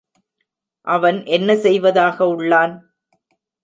அவன் என்ன செய்வதாக உள்ளான்?